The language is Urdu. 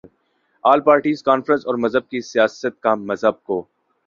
آل پارٹیز کانفرنس اور مذہب کی سیاست کیا مذہب کو